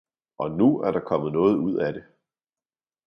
og nu er der kommet noget ud af det!